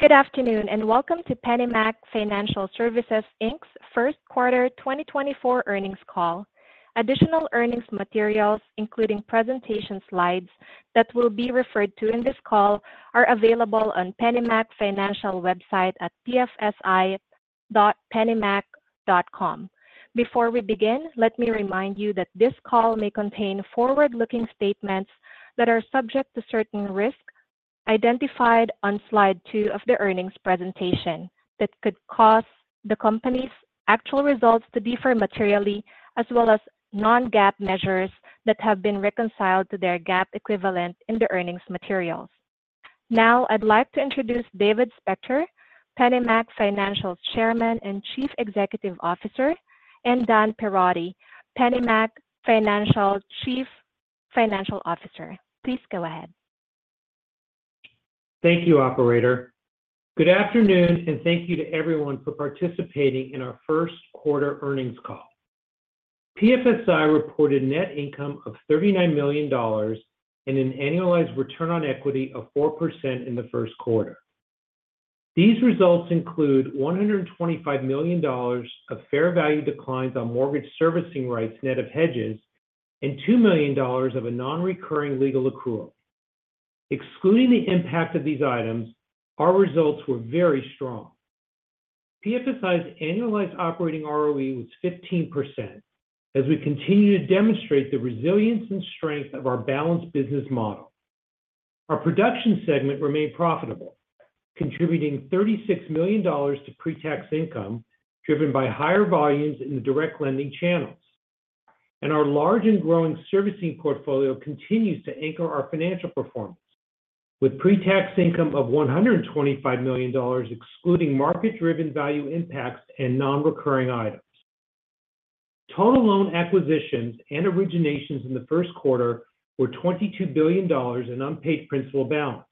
Good afternoon, and welcome to PennyMac Financial Services, Inc's first quarter 2024 earnings call. Additional earnings materials, including presentation slides that will be referred to in this call, are available on PennyMac Financial's website at pfsi.pennymac.com. Before we begin, let me remind you that this call may contain forward-looking statements that are subject to certain risks identified on slide two of the earnings presentation that could cause the company's actual results to differ materially, as well as non-GAAP measures that have been reconciled to their GAAP equivalent in the earnings materials. Now, I'd like to introduce David Spector, PennyMac Financial's Chairman and Chief Executive Officer, and Dan Perotti, PennyMac Financial's Chief Financial Officer. Please go ahead. Thank you, operator. Good afternoon, and thank you to everyone for participating in our first quarter earnings call. PFSI reported net income of $39 million and an annualized return on equity of 4% in the first quarter. These results include $125 million of fair value declines on mortgage servicing rights net of hedges and $2 million of a non-recurring legal accrual. Excluding the impact of these items, our results were very strong. PFSI's annualized operating ROE was 15% as we continue to demonstrate the resilience and strength of our balanced business model. Our production segment remained profitable, contributing $36 million to pre-tax income, driven by higher volumes in the direct lending channels. Our large and growing servicing portfolio continues to anchor our financial performance with pre-tax income of $125 million, excluding market-driven value impacts and non-recurring items. Total loan acquisitions and originations in the first quarter were $22 billion in unpaid principal balance,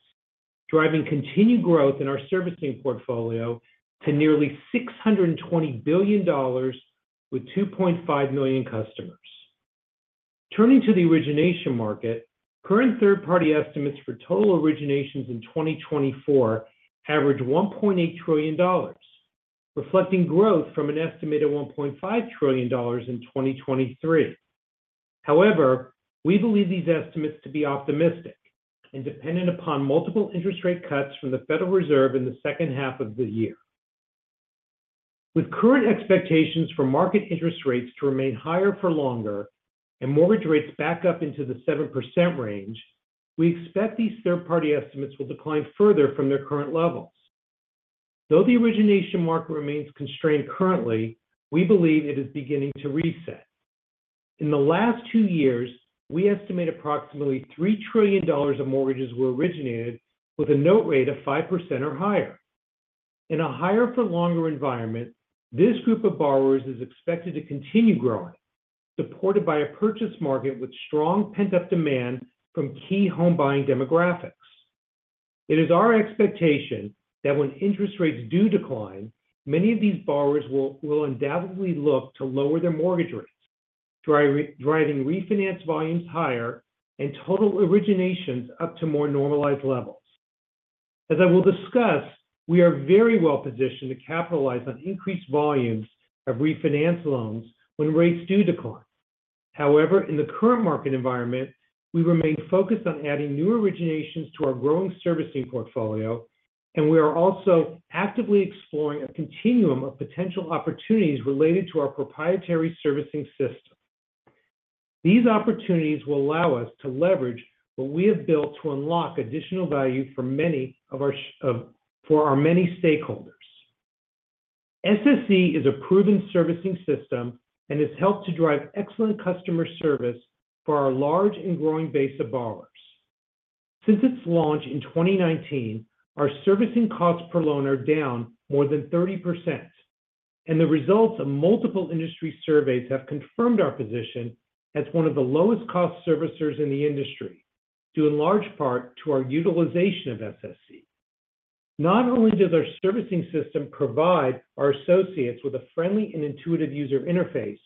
driving continued growth in our servicing portfolio to nearly $620 billion with 2.5 million customers. Turning to the origination market, current third-party estimates for total originations in 2024 average $1.8 trillion, reflecting growth from an estimated $1.5 trillion in 2023. However, we believe these estimates to be optimistic and dependent upon multiple interest rate cuts from the Federal Reserve in the second half of the year. With current expectations for market interest rates to remain higher for longer and mortgage rates back up into the 7% range, we expect these third-party estimates will decline further from their current levels. Though the origination market remains constrained currently, we believe it is beginning to reset. In the last two years, we estimate approximately $3 trillion of mortgages were originated with a note rate of 5% or higher. In a higher for longer environment, this group of borrowers is expected to continue growing, supported by a purchase market with strong pent-up demand from key home buying demographics. It is our expectation that when interest rates do decline, many of these borrowers will undoubtedly look to lower their mortgage rates, driving refinance volumes higher and total originations up to more normalized levels. As I will discuss, we are very well-positioned to capitalize on increased volumes of refinance loans when rates do decline. However, in the current market environment, we remain focused on adding new originations to our growing servicing portfolio, and we are also actively exploring a continuum of potential opportunities related to our proprietary servicing system. These opportunities will allow us to leverage what we have built to unlock additional value for our many stakeholders. SSE is a proven servicing system and has helped to drive excellent customer service for our large and growing base of borrowers. Since its launch in 2019, our servicing costs per loan are down more than 30%, and the results of multiple industry surveys have confirmed our position as one of the lowest-cost servicers in the industry, due in large part to our utilization of SSE. Not only does our servicing system provide our associates with a friendly and intuitive user interface,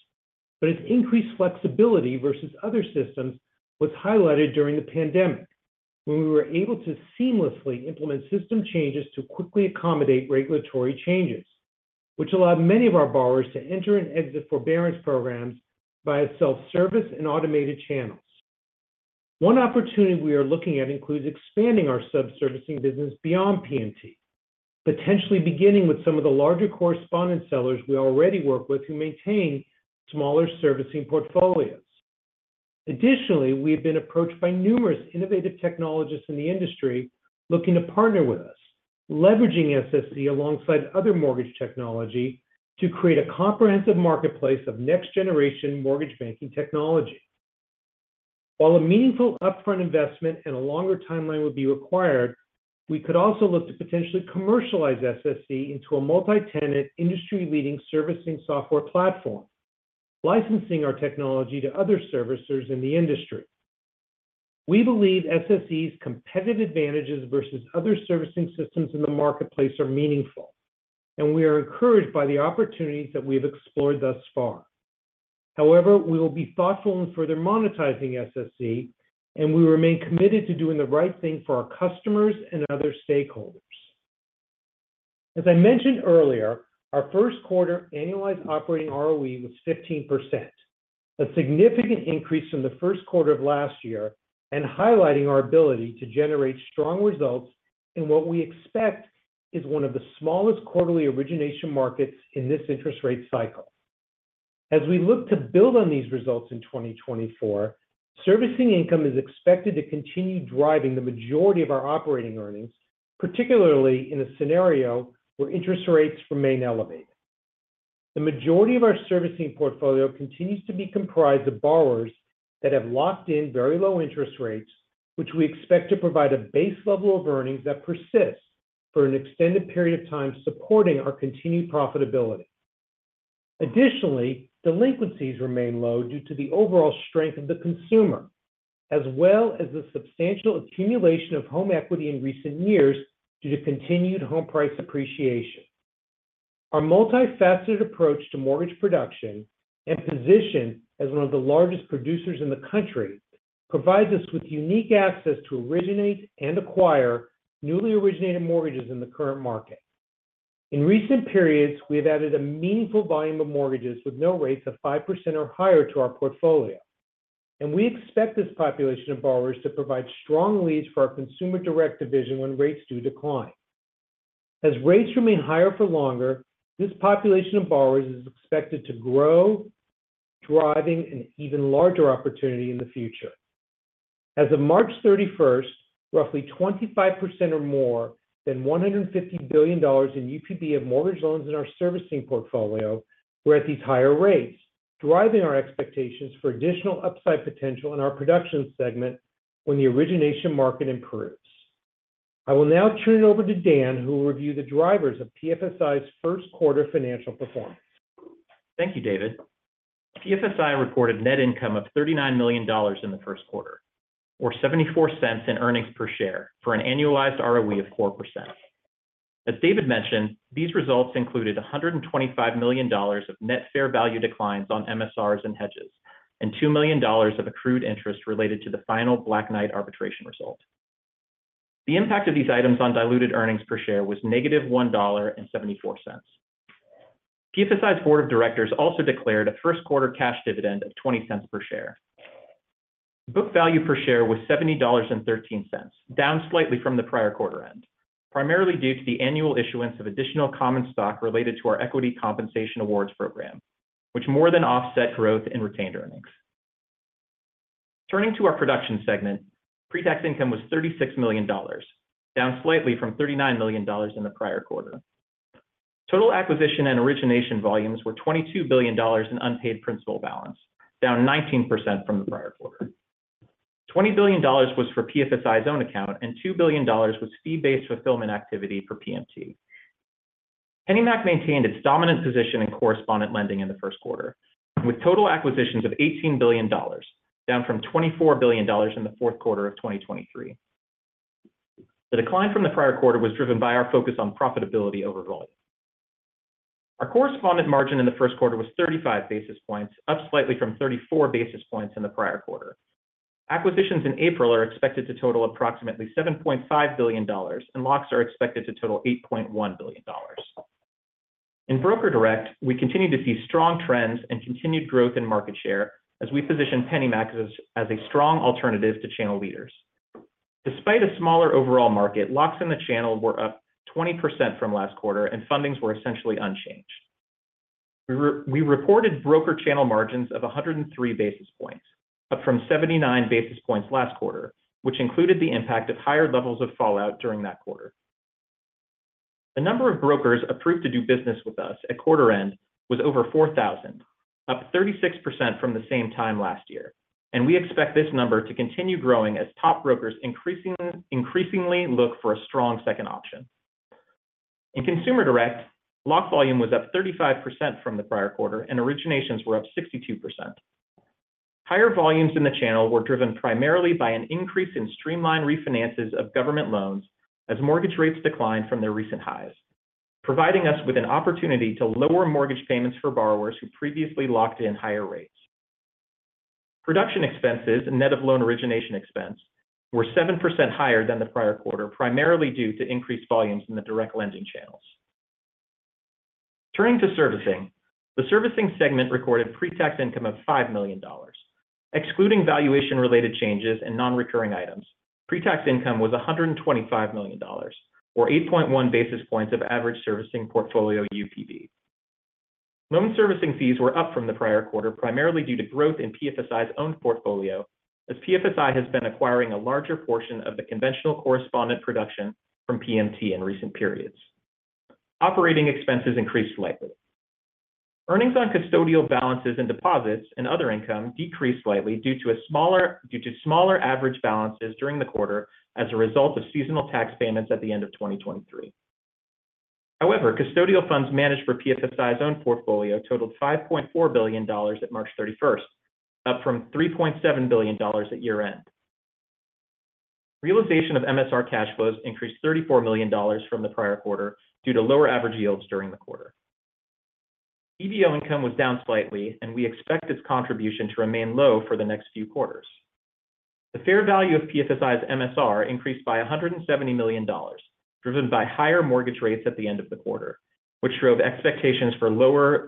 but its increased flexibility versus other systems was highlighted during the pandemic, when we were able to seamlessly implement system changes to quickly accommodate regulatory changes, which allowed many of our borrowers to enter and exit forbearance programs via self-service and automated channels. One opportunity we are looking at includes expanding our sub-servicing business beyond PMT, potentially beginning with some of the larger correspondent sellers we already work with who maintain smaller servicing portfolios. Additionally, we have been approached by numerous innovative technologists in the industry looking to partner with us, leveraging SSE alongside other mortgage technology to create a comprehensive marketplace of next-generation mortgage banking technology. While a meaningful upfront investment and a longer timeline would be required, we could also look to potentially commercialize SSE into a multi-tenant, industry-leading servicing software platform, licensing our technology to other servicers in the industry. We believe SSE's competitive advantages versus other servicing systems in the marketplace are meaningful, and we are encouraged by the opportunities that we have explored thus far. However, we will be thoughtful in further monetizing SSE, and we remain committed to doing the right thing for our customers and other stakeholders. As I mentioned earlier, our first quarter annualized operating ROE was 15%, a significant increase from the first quarter of last year and highlighting our ability to generate strong results in what we expect is one of the smallest quarterly origination markets in this interest rate cycle. As we look to build on these results in 2024, servicing income is expected to continue driving the majority of our operating earnings, particularly in a scenario where interest rates remain elevated. The majority of our servicing portfolio continues to be comprised of borrowers that have locked in very low interest rates, which we expect to provide a base level of earnings that persist for an extended period of time, supporting our continued profitability. Additionally, delinquencies remain low due to the overall strength of the consumer, as well as the substantial accumulation of home equity in recent years due to continued home price appreciation. Our multifaceted approach to mortgage production and position as one of the largest producers in the country, provides us with unique access to originate and acquire newly originated mortgages in the current market. In recent periods, we have added a meaningful volume of mortgages with low rates of 5% or higher to our portfolio, and we expect this population of borrowers to provide strong leads for our Consumer Direct division when rates do decline. As rates remain higher for longer, this population of borrowers is expected to grow, driving an even larger opportunity in the future. As of March 31, roughly 25% or more than $150 billion in UPB of mortgage loans in our servicing portfolio were at these higher rates, driving our expectations for additional upside potential in our production segment when the origination market improves. I will now turn it over to Dan, who will review the drivers of PFSI's first quarter financial performance. Thank you, David. PFSI reported net income of $39 million in the first quarter, or $0.74 in earnings per share for an annualized ROE of 4%. As David mentioned, these results included $125 million of net fair value declines on MSRs and hedges, and $2 million of accrued interest related to the final Black Knight arbitration result. The impact of these items on diluted earnings per share was -$1.74. PFSI's Board of Directors also declared a first quarter cash dividend of $0.20 per share. Book value per share was $70.13, down slightly from the prior quarter end, primarily due to the annual issuance of additional common stock related to our equity compensation awards program, which more than offset growth in retained earnings. Turning to our production segment, pretax income was $36 million, down slightly from $39 million in the prior quarter. Total acquisition and origination volumes were $22 billion in unpaid principal balance, down 19% from the prior quarter. $20 billion was for PFSI's own account, and $2 billion was fee-based fulfillment activity for PMT. PennyMac maintained its dominant position in correspondent lending in the first quarter, with total acquisitions of $18 billion, down from $24 billion in the fourth quarter of 2023. The decline from the prior quarter was driven by our focus on profitability over volume. Our correspondent margin in the first quarter was 35 basis points, up slightly from 34 basis points in the prior quarter. Acquisitions in April are expected to total approximately $7.5 billion, and locks are expected to total $8.1 billion. In Broker Direct, we continue to see strong trends and continued growth in market share as we position PennyMac as a strong alternative to channel leaders. Despite a smaller overall market, locks in the channel were up 20% from last quarter, and fundings were essentially unchanged. We reported broker channel margins of 103 basis points, up from 79 basis points last quarter, which included the impact of higher levels of fallout during that quarter. The number of brokers approved to do business with us at quarter end was over 4,000, up 36% from the same time last year, and we expect this number to continue growing as top brokers increasingly look for a strong second option. In Consumer Direct, lock volume was up 35% from the prior quarter, and originations were up 62%. Higher volumes in the channel were driven primarily by an increase in streamlined refinances of government loans as mortgage rates declined from their recent highs, providing us with an opportunity to lower mortgage payments for borrowers who previously locked in higher rates. Production expenses and net of loan origination expense were 7% higher than the prior quarter, primarily due to increased volumes in the direct lending channels. Turning to servicing. The servicing segment recorded pretax income of $5 million. Excluding valuation-related changes and non-recurring items, pretax income was $125 million, or 8.1 basis points of average servicing portfolio UPB. Loan servicing fees were up from the prior quarter, primarily due to growth in PFSI's own portfolio, as PFSI has been acquiring a larger portion of the conventional correspondent production from PMT in recent periods. Operating expenses increased slightly. Earnings on custodial balances and deposits and other income decreased slightly due to smaller average balances during the quarter as a result of seasonal tax payments at the end of 2023. However, custodial funds managed for PFSI's own portfolio totaled $5.4 billion at March 31, up from $3.7 billion at year-end. Realization of MSR cash flows increased $34 million from the prior quarter due to lower average yields during the quarter. EBO income was down slightly, and we expect this contribution to remain low for the next few quarters. The fair value of PFSI's MSR increased by $170 million, driven by higher mortgage rates at the end of the quarter, which drove expectations for lower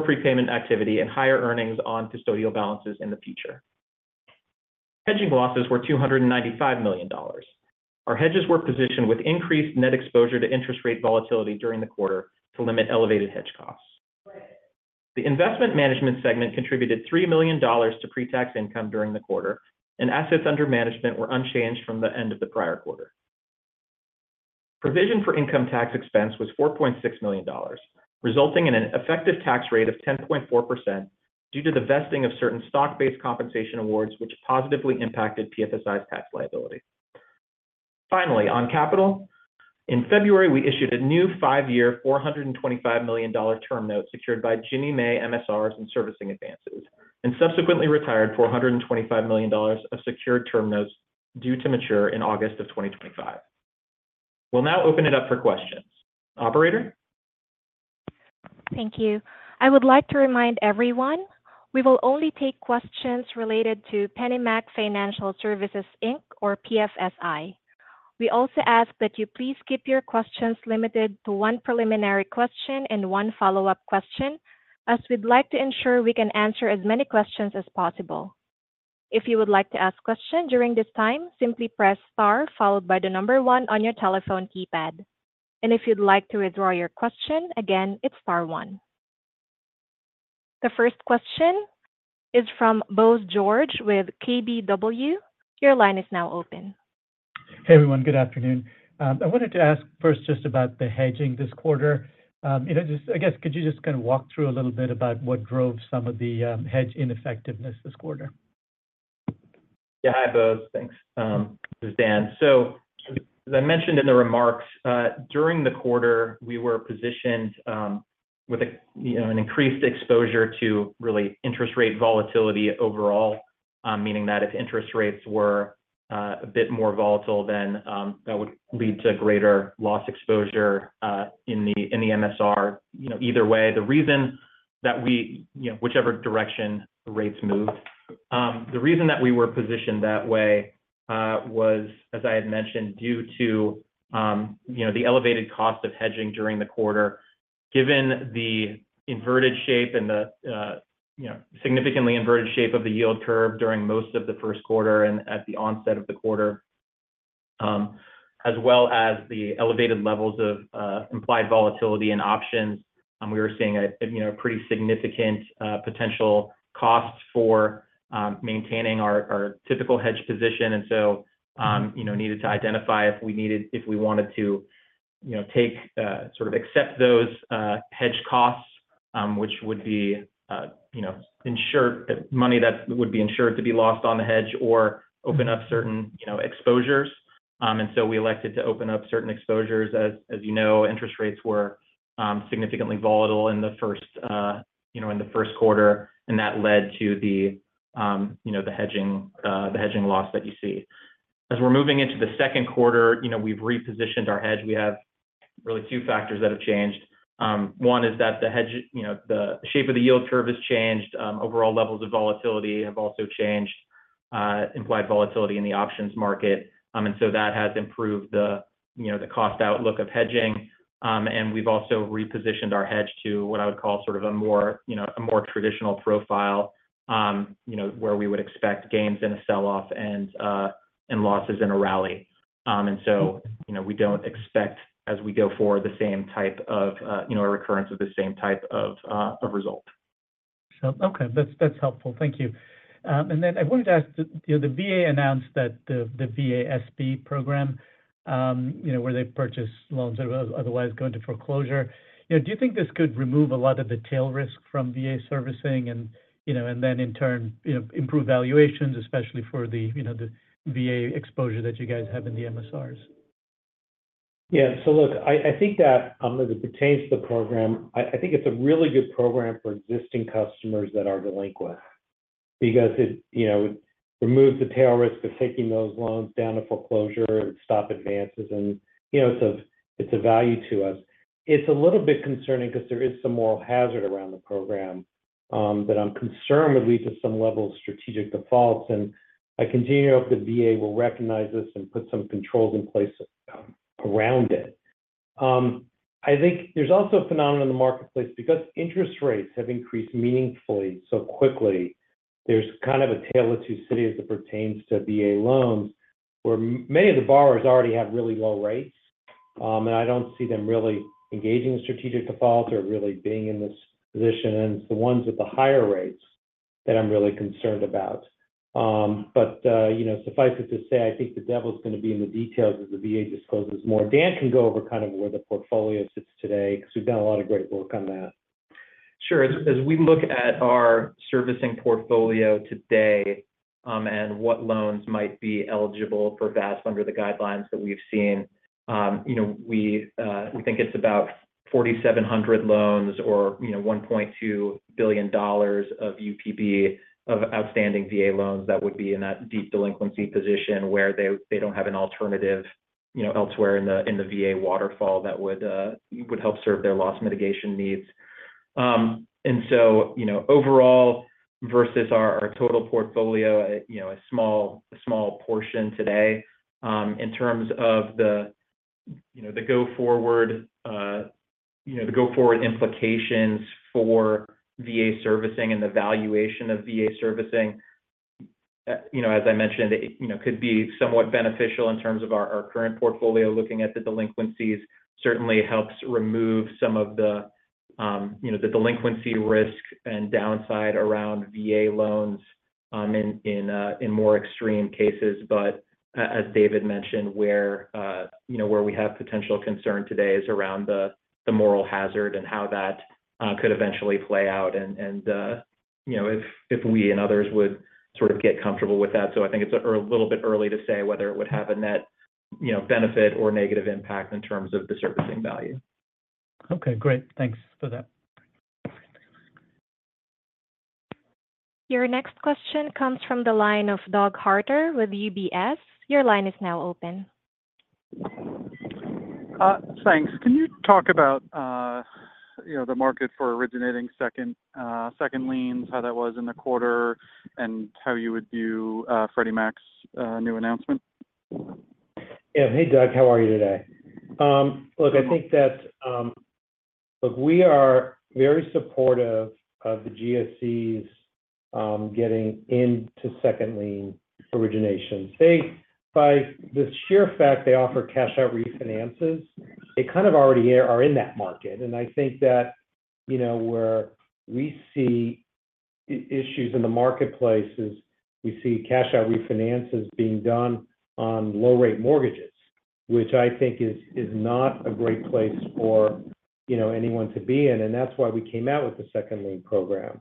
prepayment activity and higher earnings on custodial balances in the future. Hedging losses were $295 million. Our hedges were positioned with increased net exposure to interest rate volatility during the quarter to limit elevated hedge costs. The investment management segment contributed $3 million to pre-tax income during the quarter, and assets under management were unchanged from the end of the prior quarter. Provision for income tax expense was $4.6 million, resulting in an effective tax rate of 10.4% due to the vesting of certain stock-based compensation awards, which positively impacted PFSI's tax liability. Finally, on capital, in February, we issued a new five-year, $425 million term note secured by Ginnie Mae MSRs and servicing advances, and subsequently retired $425 million of secured term notes due to mature in August 2025. We'll now open it up for questions. Operator? Thank you. I would like to remind everyone, we will only take questions related to PennyMac Financial Services, Inc or PFSI. We also ask that you please keep your questions limited to one preliminary question and one follow-up question, as we'd like to ensure we can answer as many questions as possible. If you would like to ask a question during this time, simply press star followed by the number one on your telephone keypad. And if you'd like to withdraw your question, again, it's star one. The first question is from Bose George with KBW. Your line is now open. Hey, everyone. Good afternoon. I wanted to ask first just about the hedging this quarter. You know, just, I guess, could you just kind of walk through a little bit about what drove some of the hedge ineffectiveness this quarter? Yeah. Hi, Bose. Thanks. This is Dan. So as I mentioned in the remarks, during the quarter, we were positioned with a, you know, an increased exposure to really interest rate volatility overall, meaning that if interest rates were a bit more volatile, then that would lead to greater loss exposure in the MSR. You know, either way, the reason that we—you know, whichever direction the rates move, the reason that we were positioned that way was, as I had mentioned, due to you know, the elevated cost of hedging during the quarter. Given the inverted shape and the, you know, significantly inverted shape of the yield curve during most of the first quarter and at the onset of the quarter, as well as the elevated levels of implied volatility and options, we were seeing a, you know, pretty significant potential costs for maintaining our typical hedge position. And so, you know, needed to identify if we wanted to, you know, take sort of accept those hedge costs, which would be, you know, ensured money that would be ensured to be lost on the hedge or open up certain, you know, exposures. And so we elected to open up certain exposures. As you know, interest rates were significantly volatile in the first, you know, in the first quarter, and that led to the, you know, the hedging, the hedging loss that you see. As we're moving into the second quarter, you know, we've repositioned our hedge. We have really two factors that have changed. One is that the hedge, you know, the shape of the yield curve has changed. Overall levels of volatility have also changed, implied volatility in the options market. And so that has improved the, you know, the cost outlook of hedging. And we've also repositioned our hedge to what I would call sort of a more, you know, a more traditional profile, you know, where we would expect gains in a sell-off and, and losses in a rally. So, you know, we don't expect, as we go forward, the same type of, you know, a recurrence of the same type of, of result. Okay. That's helpful. Thank you. And then I wanted to ask, you know, the VA announced that the VASP program, you know, where they purchase loans that would otherwise go into foreclosure. You know, do you think this could remove a lot of the tail risk from VA servicing and, you know, and then in turn, you know, improve valuations, especially for the, you know, the VA exposure that you guys have in the MSRs? Yeah. So look, I think that as it pertains to the program, I think it's a really good program for existing customers that are delinquent because it, you know, it removes the tail risk of taking those loans down to foreclosure and stop advances, and, you know, so it's a value to us. It's a little bit concerning because there is some moral hazard around the program that I'm concerned would lead to some level of strategic defaults. And I continue to hope the VA will recognize this and put some controls in place around it. I think there's also a phenomenon in the marketplace because interest rates have increased meaningfully so quickly. There's kind of a tale of two cities as it pertains to VA loans, where many of the borrowers already have really low rates, and I don't see them really engaging in strategic defaults or really being in this position. It's the ones with the higher rates that I'm really concerned about. But, you know, suffice it to say, I think the devil's going to be in the details as the VA discloses more. Dan can go over kind of where the portfolio sits today, because we've done a lot of great work on that. Sure. As we look at our servicing portfolio today, and what loans might be eligible for VASP under the guidelines that we've seen, you know, we think it's about 4,700 loans or, you know, $1.2 billion of UPB of outstanding VA loans that would be in that deep delinquency position, where they don't have an alternative, you know, elsewhere in the VA waterfall that would help serve their loss mitigation needs. And so, you know, overall, versus our total portfolio, you know, a small portion today. In terms of the go forward implications for VA servicing and the valuation of VA servicing, you know, as I mentioned, it could be somewhat beneficial in terms of our current portfolio. Looking at the delinquencies, certainly helps remove some of the, you know, the delinquency risk and downside around VA loans, in, in, in more extreme cases. But as David mentioned, where, you know, where we have potential concern today is around the, the moral hazard and how that could eventually play out. And, and, you know, if, if we and others would sort of get comfortable with that. So I think it's a little bit early to say whether it would have a net, you know, benefit or negative impact in terms of the servicing value. Okay, great. Thanks for that. Your next question comes from the line of Doug Harter with UBS. Your line is now open. Thanks. Can you talk about, you know, the market for originating second, second liens, how that was in the quarter, and how you would view, Freddie Mac's, new announcement? Yeah. Hey, Doug, how are you today? Look, I think that's... Look, we are very supportive of the GSEs getting into second lien origination. They, by the sheer fact they offer cash-out refinances, they kind of already are in that market. And I think that, you know, where we see issues in the marketplace is we see cash-out refinances being done on low-rate mortgages, which I think is not a great place for, you know, anyone to be in. And that's why we came out with the second lien program.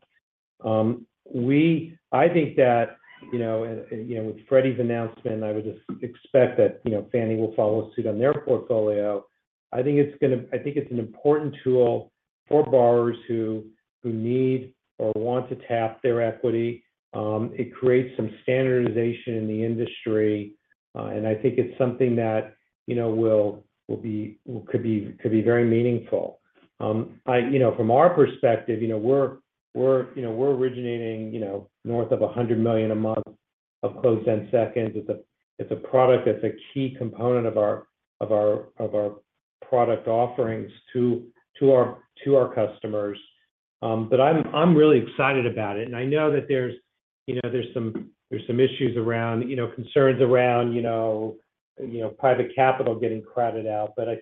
I think that, you know, and, you know, with Freddie's announcement, I would just expect that, you know, Fannie will follow suit on their portfolio. I think it's gonna, I think it's an important tool for borrowers who need or want to tap their equity. It creates some standardization in the industry, and I think it's something that, you know, could be very meaningful. You know, from our perspective, you know, we're originating, you know, north of $100 million a month of closed-end seconds. It's a product that's a key component of our product offerings to our customers. But I'm really excited about it. And I know that there's, you know, some issues around concerns around private capital getting crowded out. But I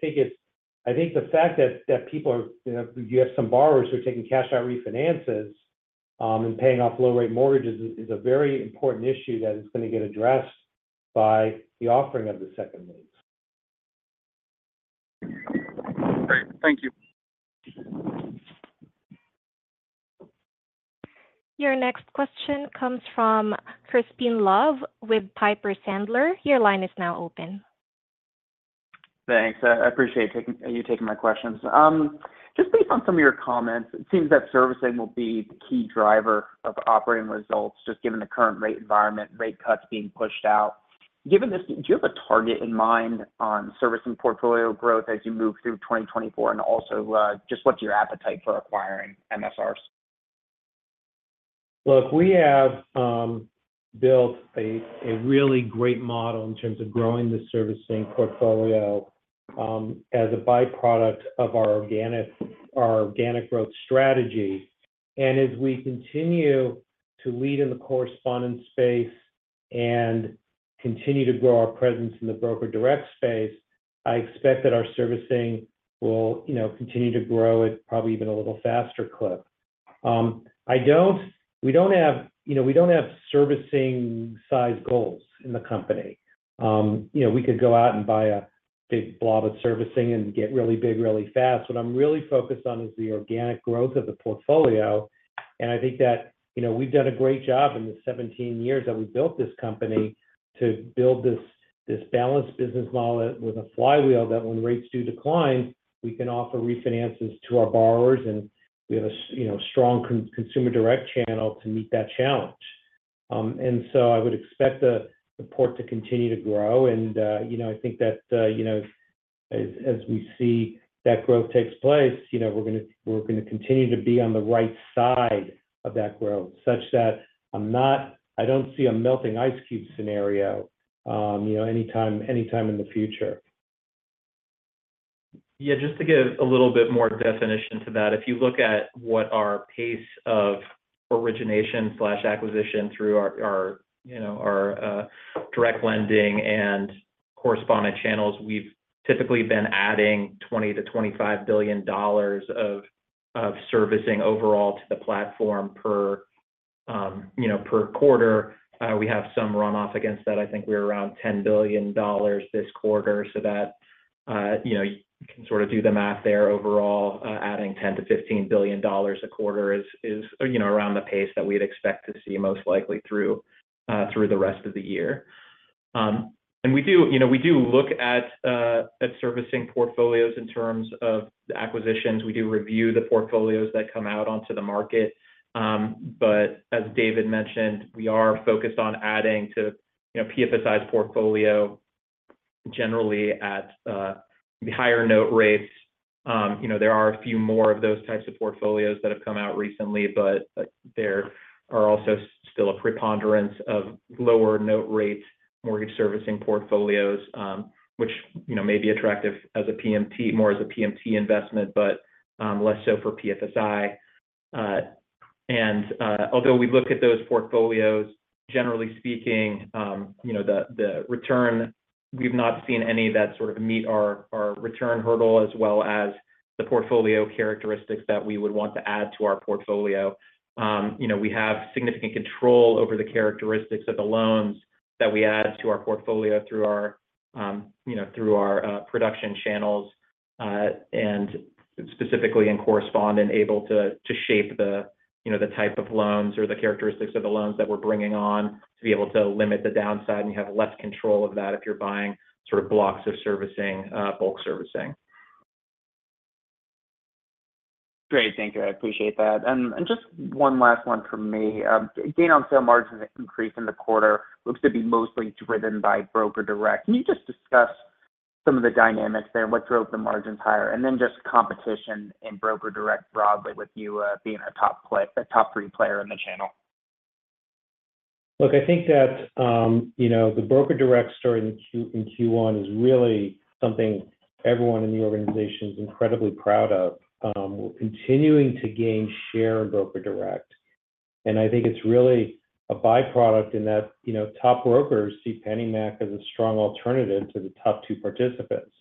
think the fact that people are, you know, you have some borrowers who are taking cash-out refinances and paying off low-rate mortgages is a very important issue that is going to get addressed by the offering of the second liens. Great. Thank you. Your next question comes from Crispin Love with Piper Sandler. Your line is now open. Thanks. I appreciate you taking my questions. Just based on some of your comments, it seems that servicing will be the key driver of operating results, just given the current rate environment, rate cuts being pushed out. Given this, do you have a target in mind on servicing portfolio growth as you move through 2024? And also, just what's your appetite for acquiring MSRs? Look, we have built a really great model in terms of growing the servicing portfolio, as a byproduct of our organic growth strategy. And as we continue to lead in the correspondent space and continue to grow our presence in the Broker Direct space, I expect that our servicing will, you know, continue to grow at probably even a little faster clip. I don't—we don't have, you know, we don't have servicing size goals in the company. You know, we could go out and buy a big blob of servicing and get really big, really fast. What I'm really focused on is the organic growth of the portfolio, and I think that, you know, we've done a great job in the 17 years that we've built this company to build this balanced business model with a flywheel, that when rates do decline, we can offer refinances to our borrowers, and we have a strong Consumer Direct channel to meet that challenge. And so I would expect the port to continue to grow, and, you know, I think that, you know, as we see that growth takes place, you know, we're gonna continue to be on the right side of that growth, such that I'm not, I don't see a melting ice cube scenario, you know, anytime in the future. Yeah, just to give a little bit more definition to that. If you look at what our pace of origination/acquisition through our direct lending and correspondent channels, we've typically been adding $20 billion-$25 billion of servicing overall to the platform per quarter. We have some runoff against that. I think we're around $10 billion this quarter, so that you know, you can sort of do the math there. Overall, adding $10 billion-$15 billion a quarter is around the pace that we'd expect to see most likely through the rest of the year. And we do look at servicing portfolios in terms of the acquisitions. We do review the portfolios that come out onto the market. But as David mentioned, we are focused on adding to, you know, PFSI's portfolio, generally at, the higher note rates. You know, there are a few more of those types of portfolios that have come out recently, but, there are also still a preponderance of lower note rates, mortgage servicing portfolios, which, you know, may be attractive as a PMT, more as a PMT investment, but, less so for PFSI. And, although we look at those portfolios, generally speaking, you know, the, the return, we've not seen any that sort of meet our, our return hurdle, as well as the portfolio characteristics that we would want to add to our portfolio. You know, we have significant control over the characteristics of the loans that we add to our portfolio through our, you know, through our production channels, and specifically in correspondent, able to shape the, you know, the type of loans or the characteristics of the loans that we're bringing on, to be able to limit the downside. And you have less control of that if you're buying sort of blocks of servicing, bulk servicing. Great, thank you. I appreciate that. And just one last one from me. Gain on sale margins increase in the quarter, looks to be mostly driven by Broker Direct. Can you just discuss some of the dynamics there? What drove the margins higher, and then just competition in Broker Direct broadly, with you being a top play- a top three player in the channel? Look, I think that, you know, the Broker Direct story in Q1 is really something everyone in the organization is incredibly proud of. We're continuing to gain share in Broker Direct, and I think it's really a by-product in that, you know, top brokers see PennyMac as a strong alternative to the top two participants.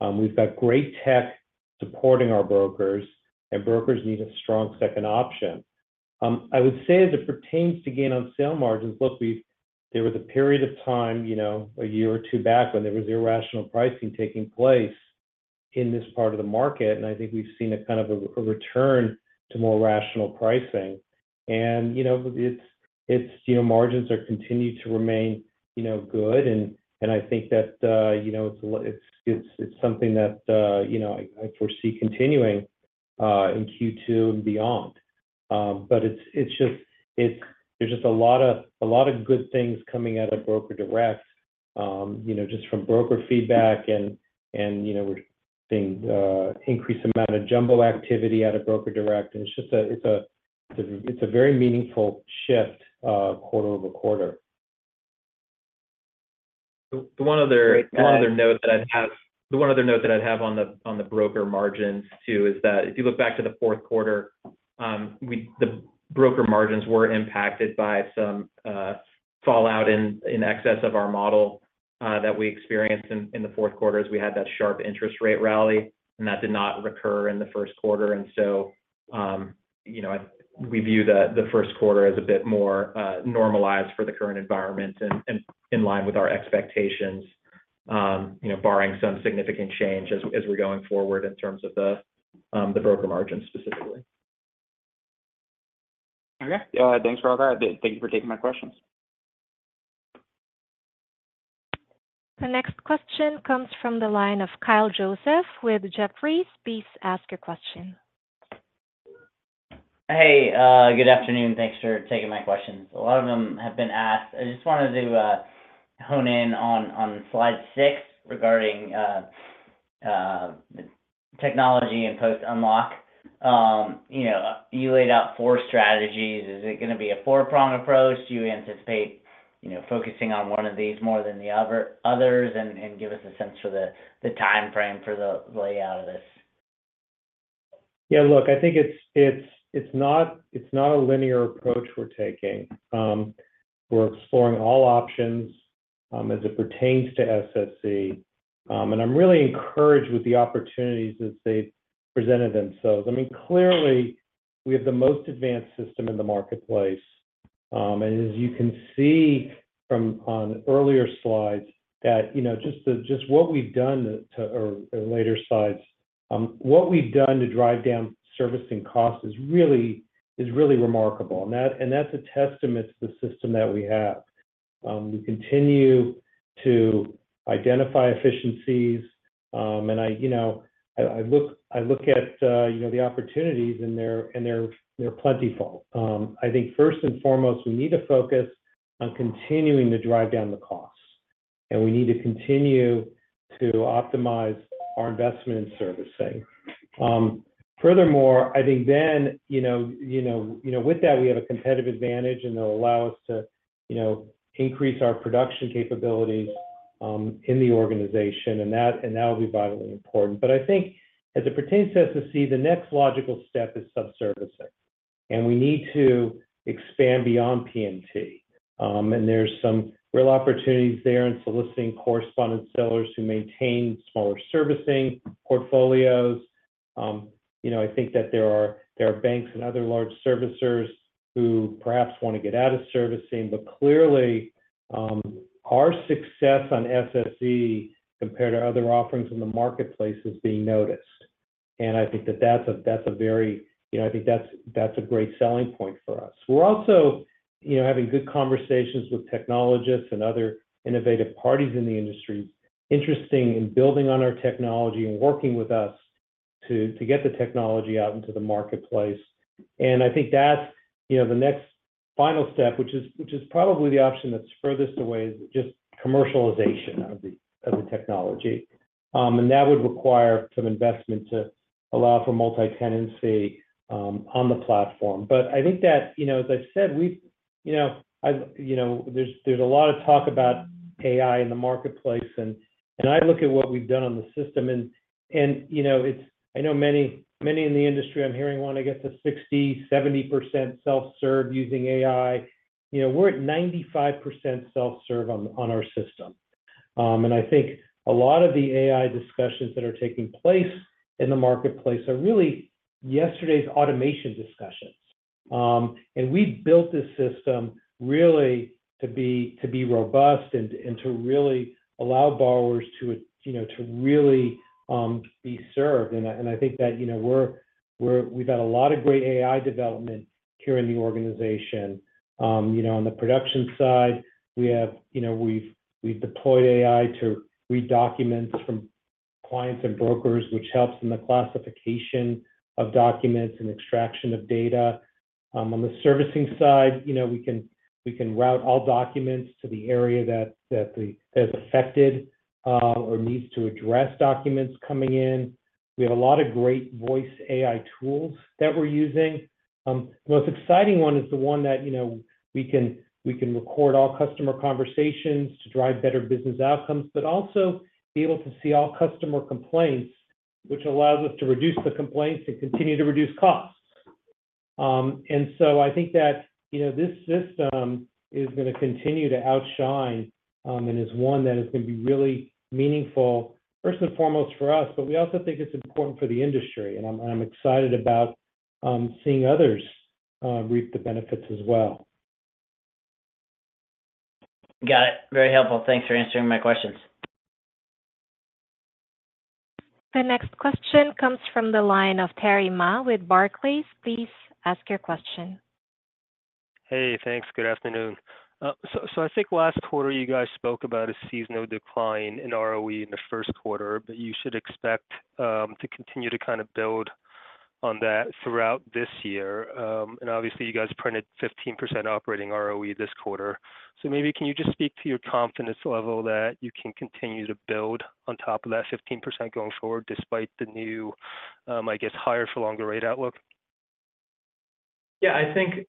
We've got great tech supporting our brokers, and brokers need a strong second option. I would say as it pertains to gain on sale margins, look, we've -- there was a period of time, you know, a year or two back, when there was irrational pricing taking place in this part of the market, and I think we've seen a kind of a return to more rational pricing. And, you know, it's -- it's, you know, margins are continued to remain, you know, good. I think that, you know, it's something that, you know, I foresee continuing in Q2 and beyond. But it's just, it's, there's just a lot of, a lot of good things coming out of Broker Direct. You know, just from broker feedback and, and, you know, we're seeing increased amount of jumbo activity out of Broker Direct, and it's just a, it's a very meaningful shift quarter-over-quarter. Great. Thanks. The one other note that I'd have on the broker margins, too, is that if you look back to the fourth quarter, we -- the broker margins were impacted by some fallout in excess of our model that we experienced in the fourth quarter, as we had that sharp interest rate rally, and that did not recur in the first quarter. And so, you know, we view the first quarter as a bit more normalized for the current environment and in line with our expectations, you know, barring some significant change as we're going forward in terms of the broker margins specifically. Okay. Thanks for all that. Thank you for taking my questions. The next question comes from the line of Kyle Joseph with Jefferies. Please ask your question. Hey, good afternoon. Thanks for taking my questions. A lot of them have been asked. I just wanted to hone in on slide six regarding technology and potential unlock. You know, you laid out four strategies. Is it going to be a four-prong approach? Do you anticipate, you know, focusing on one of these more than the other, others? And give us a sense for the timeframe for the layout of this. Yeah, look, I think it's not a linear approach we're taking. We're exploring all options as it pertains to SSE. And I'm really encouraged with the opportunities as they've presented themselves. I mean, clearly, we have the most advanced system in the marketplace. And as you can see from earlier slides or later slides, you know, just what we've done to drive down servicing costs is really remarkable. And that's a testament to the system that we have. We continue to identify efficiencies. And I, you know, look at, you know, the opportunities, and they're plentiful. I think first and foremost, we need to focus on continuing to drive down the costs, and we need to continue to optimize our investment in servicing. Furthermore, I think then, you know, you know, you know, with that, we have a competitive advantage, and it'll allow us to, you know, increase our production capabilities, in the organization, and that, and that will be vitally important. But I think as it pertains to SSE, the next logical step is sub-servicing, and we need to expand beyond PMT. And there's some real opportunities there in soliciting correspondent sellers who maintain smaller servicing portfolios. You know, I think that there are banks and other large servicers who perhaps want to get out of servicing, but clearly, our success on SSE compared to other offerings in the marketplace is being noticed. And I think that that's a very—you know, I think that's a great selling point for us. We're also, you know, having good conversations with technologists and other innovative parties in the industry, interested in building on our technology and working with us to get the technology out into the marketplace. And I think that's, you know, the next final step, which is probably the option that's furthest away, is just commercialization of the technology. And that would require some investment to allow for multi-tenancy on the platform. But I think that, you know, as I said, we've you know, I've you know, there's, there's a lot of talk about AI in the marketplace, and, and I look at what we've done on the system and, and, you know, it's I know many, many in the industry, I'm hearing, want to get to 60%, 70% self-serve using AI. You know, we're at 95% self-serve on, on our system. And I think a lot of the AI discussions that are taking place in the marketplace are really yesterday's automation discussions. And we built this system really to be, to be robust and, and to really allow borrowers to, you know, to really, be served. And I, and I think that, you know, we're, we've got a lot of great AI development here in the organization. You know, on the production side, we have, you know, we've deployed AI to read documents from clients and brokers, which helps in the classification of documents and extraction of data. On the servicing side, you know, we can route all documents to the area that has affected or needs to address documents coming in. We have a lot of great voice AI tools that we're using. The most exciting one is the one that, you know, we can record all customer conversations to drive better business outcomes, but also be able to see all customer complaints, which allows us to reduce the complaints and continue to reduce costs. And so I think that, you know, this system is going to continue to outshine and is one that is going to be really meaningful, first and foremost, for us, but we also think it's important for the industry, and I'm excited about seeing others reap the benefits as well. Got it. Very helpful. Thanks for answering my questions. The next question comes from the line of Terry Ma with Barclays. Please ask your question. Hey, thanks. Good afternoon. So, so I think last quarter, you guys spoke about a seasonal decline in ROE in the first quarter, but you should expect to continue to kind of build on that throughout this year. And obviously, you guys printed 15% operating ROE this quarter. So maybe can you just speak to your confidence level that you can continue to build on top of that 15% going forward, despite the new, I guess, higher for longer rate outlook? Yeah, I think,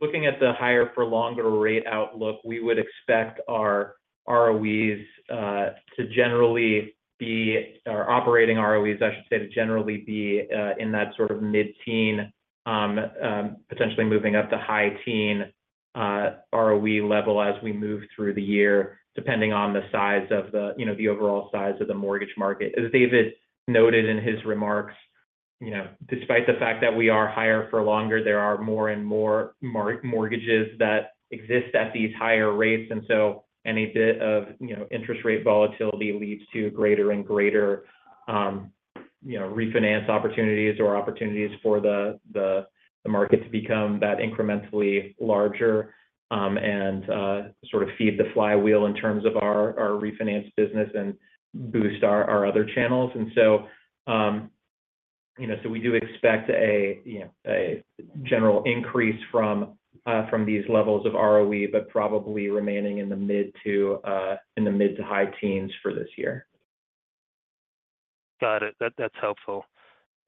looking at the higher for longer rate outlook, we would expect our ROEs to generally be, our operating ROEs, I should say, to generally be in that sort of mid-teen, potentially moving up to high teen ROE level as we move through the year, depending on the size of, you know, the overall size of the mortgage market. As David noted in his remarks, you know, despite the fact that we are higher for longer, there are more and more mortgages that exist at these higher rates, and so any bit of, you know, interest rate volatility leads to greater and greater, you know, refinance opportunities or opportunities for the, the, the market to become that incrementally larger, and, sort of feed the flywheel in terms of our, our refinance business and boost our, our other channels. And so, you know, so we do expect a, you know, a general increase from, from these levels of ROE, but probably remaining in the mid to, in the mid to high teens for this year. Got it. That's helpful.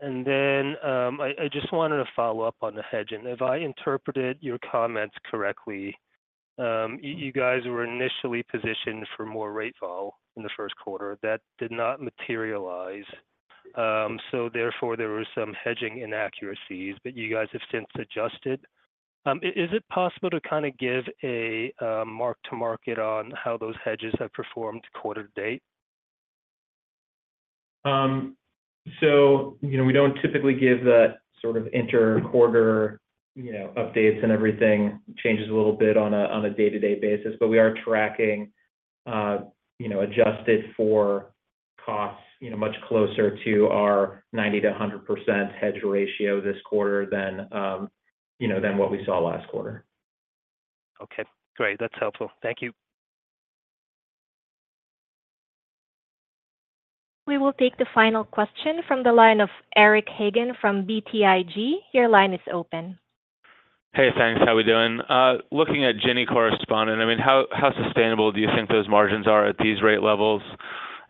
And then, I just wanted to follow up on the hedging. If I interpreted your comments correctly, you guys were initially positioned for more rate fall in the first quarter. That did not materialize, so therefore, there were some hedging inaccuracies, but you guys have since adjusted. Is it possible to kind of give a mark-to-market on how those hedges have performed quarter to date? So, you know, we don't typically give that sort of inter-quarter, you know, updates and everything changes a little bit on a day-to-day basis, but we are tracking, you know, adjusted for costs, you know, much closer to our 90%-100% hedge ratio this quarter than, you know, than what we saw last quarter. Okay, great. That's helpful. Thank you. We will take the final question from the line of Eric Hagen from BTIG. Your line is open. Hey, thanks. How are we doing? Looking at Ginnie correspondent, I mean, how sustainable do you think those margins are at these rate levels?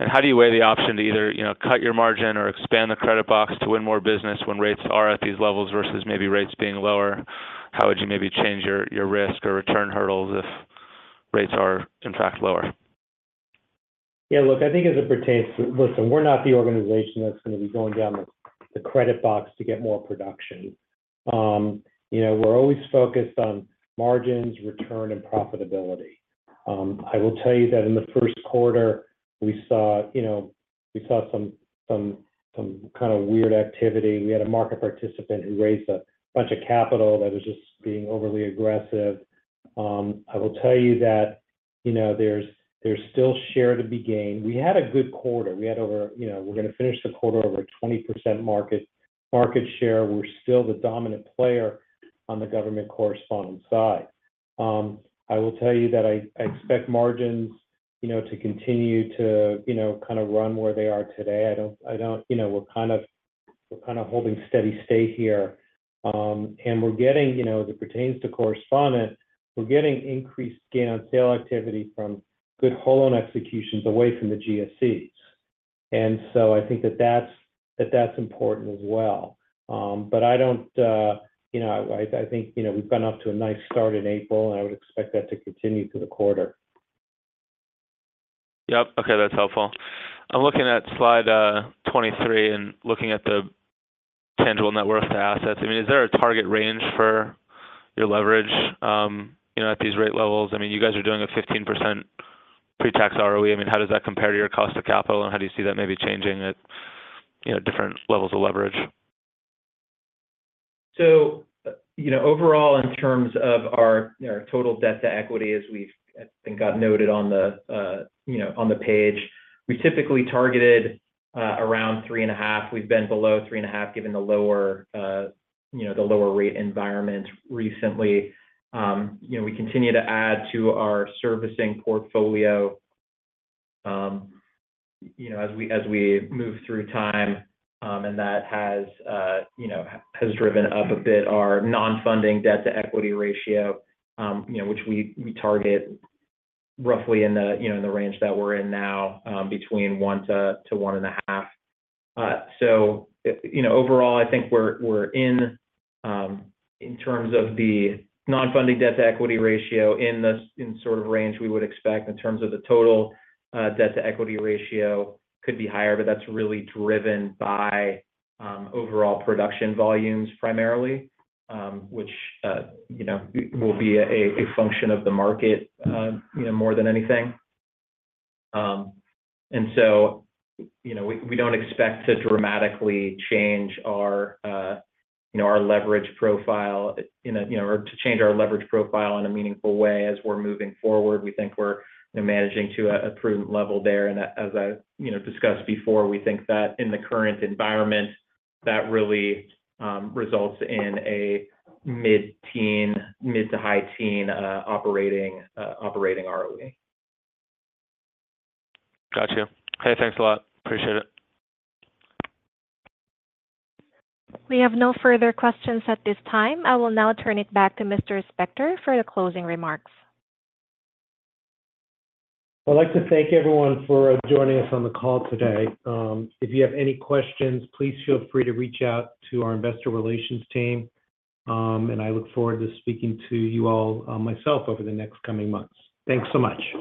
And how do you weigh the option to either, you know, cut your margin or expand the credit box to win more business when rates are at these levels versus maybe rates being lower? How would you maybe change your risk or return hurdles if rates are in fact lower? Yeah, look, I think as it pertains to... Listen, we're not the organization that's going to be going down the credit box to get more production. You know, we're always focused on margins, return, and profitability. I will tell you that in the first quarter, we saw, you know, some kind of weird activity. We had a market participant who raised a bunch of capital that was just being overly aggressive. I will tell you that, you know, there's still share to be gained. We had a good quarter. You know, we're gonna finish the quarter over 20% market share. We're still the dominant player on the government correspondent side. I will tell you that I expect margins, you know, to continue to, you know, kind of run where they are today. I don't. You know, we're kind of holding steady state here. And we're getting, you know, as it pertains to correspondent, we're getting increased gain on sale activity from good whole loan executions away from the GSEs. And so I think that's important as well. But I don't, you know, I think, you know, we've gone off to a nice start in April, and I would expect that to continue through the quarter. Yep. Okay, that's helpful. I'm looking at slide 23, and looking at the tangible net worth to assets. I mean, is there a target range for your leverage, you know, at these rate levels? I mean, you guys are doing a 15% pretax ROE. I mean, how does that compare to your cost of capital, and how do you see that maybe changing at, you know, different levels of leverage? So, you know, overall, in terms of our, our total debt-to-equity, as we've, I think, got noted on the, you know, on the page, we typically targeted, around 3.5. We've been below 3.5, given the lower, you know, the lower rate environment recently. You know, we continue to add to our servicing portfolio, you know, as we, as we move through time, and that has, you know, has driven up a bit our non-funding debt-to-equity ratio, you know, which we, we target roughly in the, you know, in the range that we're in now, between 1-1.5. So, you know, overall, I think we're, we're in, in terms of the non-funding debt-to-equity ratio, in the, in sort of range we would expect. In terms of the total debt-to-equity ratio, could be higher, but that's really driven by overall production volumes primarily, which you know will be a function of the market, you know, more than anything. And so, you know, we don't expect to dramatically change our you know our leverage profile, you know, or to change our leverage profile in a meaningful way as we're moving forward. We think we're managing to a prudent level there. And as I you know discussed before, we think that in the current environment, that really results in a mid-teen, mid to high teen operating ROE. Got you. Hey, thanks a lot. Appreciate it. We have no further questions at this time. I will now turn it back to Mr. Spector for the closing remarks. I'd like to thank everyone for joining us on the call today. If you have any questions, please feel free to reach out to our investor relations team. I look forward to speaking to you all, myself over the next coming months. Thanks so much.